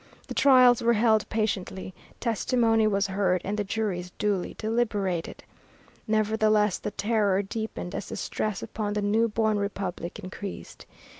The trials were held patiently, testimony was heard, and the juries duly deliberated. Nevertheless the Terror deepened as the stress upon the new born republic increased.